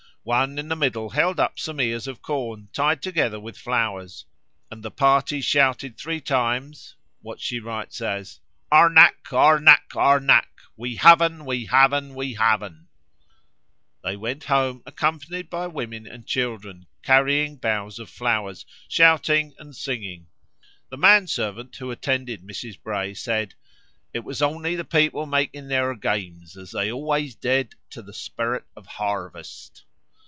One in the middle held up some ears of corn tied together with flowers, and the party shouted three times (what she writes as) 'Arnack, arnack, arnack, we haven, we haven, we haven.' They went home, accompanied by women and children carrying boughs of flowers, shouting and singing. The manservant who attended Mrs. Bray said 'it was only the people making their games, as they always did, _to the spirit of harvest.